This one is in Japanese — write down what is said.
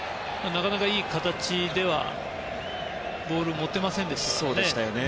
なかなか、いい形ではボールを持てませんでしたね。